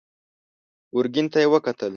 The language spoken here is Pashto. ګرګين ته يې وکتل.